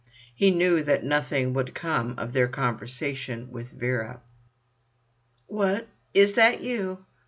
He knew that nothing would come of their conversation with Vera. "What, is that you?"